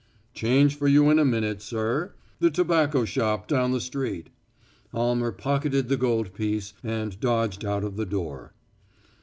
"Change for you in a minute, sir the tobacco shop down the street." Almer pocketed the gold piece and dodged out of the door.